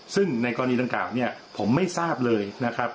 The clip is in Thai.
ซึ่งในกรณีดังกล่าวเนี่ยผมไม่ทราบเลยนะครับ